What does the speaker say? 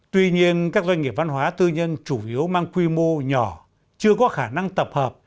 tuy nhiên các doanh nghiệp văn hóa tư nhân chủ yếu mang quy mô nhỏ chưa có khả năng tập hợp